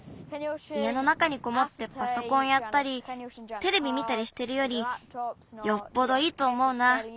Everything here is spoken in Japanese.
いえの中にこもってパソコンやったりテレビ見たりしてるよりよっぽどいいとおもうな。